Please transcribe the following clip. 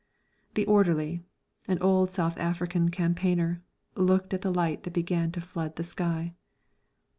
The orderly, an old South African campaigner, looked at the light that began to flood the sky.